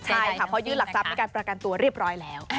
ใช่ค่ะเพราะยื่นหลักทรัพย์ในการประกันตัวเรียบร้อยแล้ว